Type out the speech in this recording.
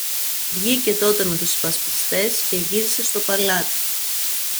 Βγήκε τότε με τους υπασπιστές και γύρισε στο παλάτι.